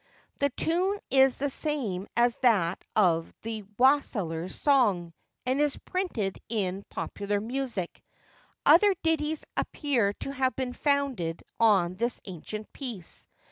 The tune is the same as that of the Wassailers' Song, and is printed in Popular Music. Other ditties appear to have been founded on this ancient piece.